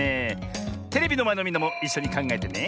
テレビのまえのみんなもいっしょにかんがえてね。